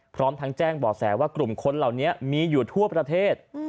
พร้อมทั้งแจ้งบ่อแสว่ากลุ่มคนเหล่านี้มีอยู่ทั่วประเทศ